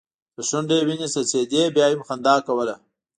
تر شونډو يې وينې څڅيدې بيا يې هم خندا کوله.